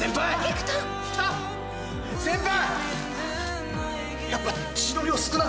先輩！